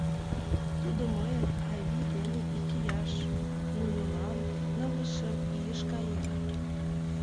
Тудо мыйын ави дене ик ияш, нунылан нылле шым ийыш каен.